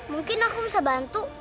mungkin aku bisa bantu